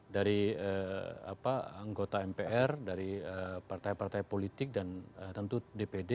dari anggota mpr dari partai partai politik dan tentu dpd